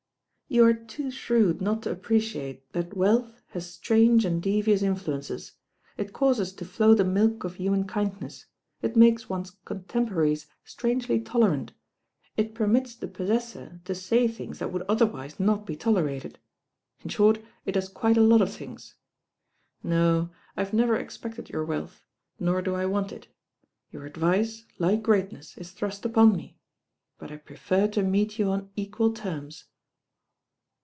"You are too shrewd not to appreciate that wealth has strange and devious influe* ces. It causes to flow the milk of human kindness, it makes one's con 106 THE RAIN GIRL I temponiriei ttrtngely tolerant, it permits the pos tesc )r to lay things that would otherwise not be tol* erated. In short, it does quite a lot of things. No, I have never expected your wealth, nor do I want it. Your advice, like greatness, is thrust upon me; but I prefer to meet you on equal terms."